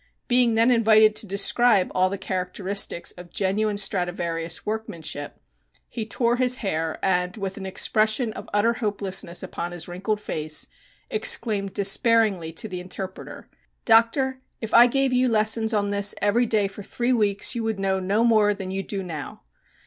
Being then invited to describe all the characteristics of genuine Stradivarius workmanship, he tore his hair and, with an expression of utter hopelessness upon his wrinkled face, exclaimed despairingly to the interpreter: "Doctor, if I gave you lessons in this every day for three weeks you would know no more than you do now!"